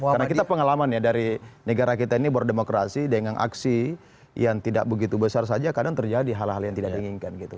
karena kita pengalaman ya dari negara kita ini berdemokrasi dengan aksi yang tidak begitu besar saja kadang terjadi hal hal yang tidak diinginkan gitu